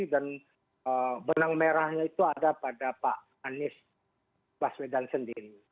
dan benang merahnya itu ada pada pak anies baswedan sendiri